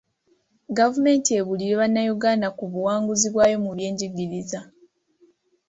Gavumenti ebuulire Bannayuganda ku buwanguzi bwayo mu byenjigiriza